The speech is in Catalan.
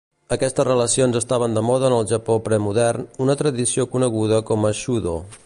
Aquestes relacions estaven de moda en el Japó premodern, una tradició coneguda com a shudo.